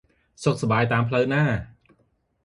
សុខសប្បាយតាមផ្លូវណា៎!